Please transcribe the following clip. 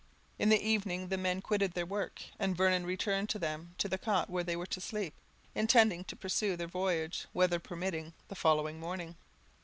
In the evening the men quitted their work, and Vernon returned with them to the cot where they were to sleep, intending to pursue their voyage, weather permitting, the following morning.